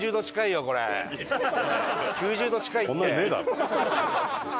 ９０度近いって！